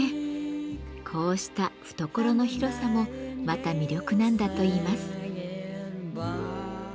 こうした懐の広さもまた魅力なんだといいます。